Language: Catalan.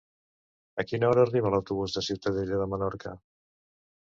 A quina hora arriba l'autobús de Ciutadella de Menorca?